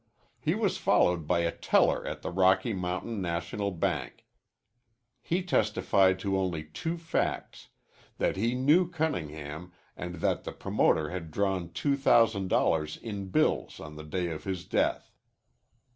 He was followed by a teller at the Rocky Mountain National Bank. He testified to only two facts that he knew Cunningham and that the promoter had drawn two thousand dollars in bills on the day of his death.